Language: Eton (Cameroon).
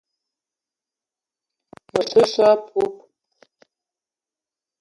Me te so a poup.